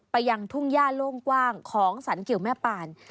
ไปยังทุ่งย่าโล่งกว้างของสรรเกี่ยวแม่ปาน